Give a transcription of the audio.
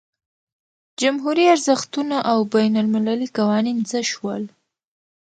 جمهوري ارزښتونه او بین المللي قوانین څه شول.